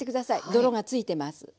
泥がついてます。